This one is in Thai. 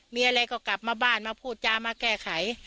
มีอะไรก็กลับมาบ้านมาพูดจามาแก้ไข